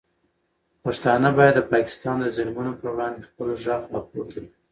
پښتانه باید د پاکستان د ظلمونو پر وړاندې خپل غږ راپورته کړي.